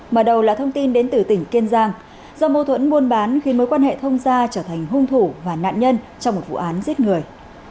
mở đầu là thông tin đến từ tỉnh kiên giang do mâu thuẫn buôn bán khi mối quan hệ thông gia trở thành hung thủ và nạn nhân trong một vụ án giết người